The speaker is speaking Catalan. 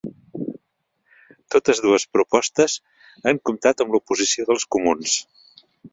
Totes dues propostes han comptat amb l'oposició dels comuns.